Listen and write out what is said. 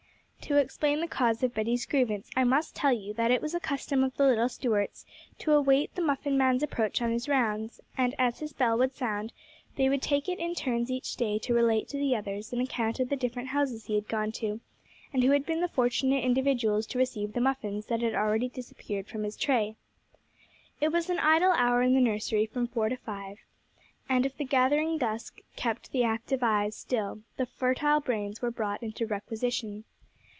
To explain the cause of Betty's grievance, I must tell you that it was a custom of the little Stuarts to await the muffin man's approach on his rounds, and as his bell would sound, they would take it in turns each day to relate to the others an account of the different houses he had gone to, and who had been the fortunate individuals to receive the muffins that had already disappeared from his tray. It was an idle hour in the nursery from four to five, and if the gathering dusk kept the active eyes still, the fertile brains were brought into requisition.